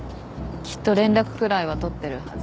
きっと連絡くらいは取ってるはず。